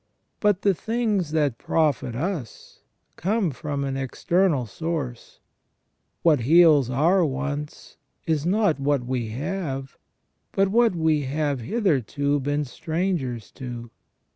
But the things that profit us come from an external source ; what heals our wants is not what we have, but what we have hitherto lieen strangers to.